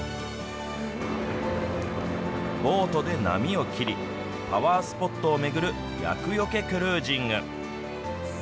ボートで波を切りパワースポットを巡る厄よけクルージング。